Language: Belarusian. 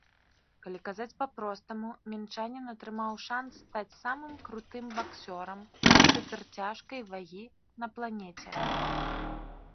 Калі казаць па-простаму, мінчанін атрымаў шанц стаць самым крутым баксёрам суперцяжкай вагі на планеце.